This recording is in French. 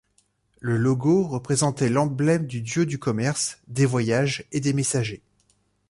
Le logo représentait l'emblème du dieu du commerce, des voyages et des messagers.